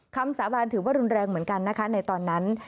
สาบานถือว่ารุนแรงเหมือนกันนะคะในตอนนั้น